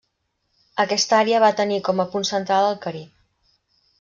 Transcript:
Aquesta Àrea va tenir com a punt central el Carib.